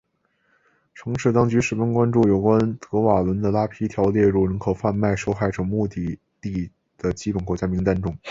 城市当局十分关注有关德瓦伦的拉皮条列入人口贩卖受害者目的地的基本国家名单中。